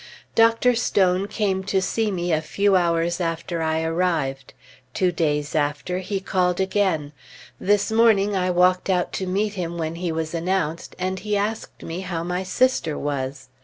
Dr. Stone came to see me a few hours after I arrived; two days after, he called again; this morning I walked out to meet him when he was announced, and he asked me how my sister was.